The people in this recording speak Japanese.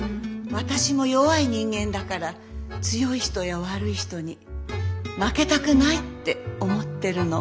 私も弱い人間だから強い人や悪い人に負けたくないって思ってるの。